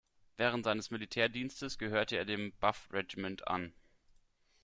Während seines Militärdienstes gehörte er dem Buff-Regiment an.